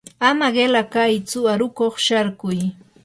ama qila kaytsu aruqkuq sharkuy.